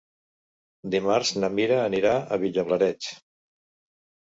Dimarts na Mira anirà a Vilablareix.